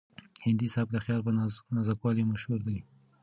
هندي سبک د خیال په نازکوالي مشهور دی.